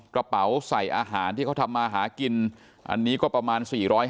กระเป๋าใส่อาหารที่เขาทำมาหากินอันนี้ก็ประมาณ๔๕๐